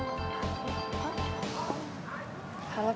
papi tahu kadaan kamu